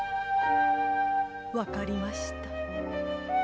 分かりました。